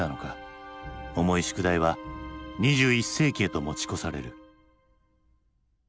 重い宿題は２１世紀へと持ち越される。